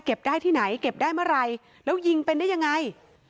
ได้ที่ไหนเก็บได้เมื่อไหร่แล้วยิงเป็นได้ยังไง